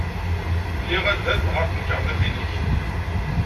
Liɣ adaf ɣer temkarḍit-nnek.